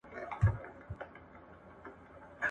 سبا به تاسو خپل کارونه په وخت ترسره کوئ.